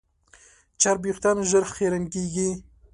چرب وېښتيان ژر خیرن کېږي.